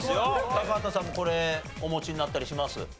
高畑さんもこれお持ちになったりします？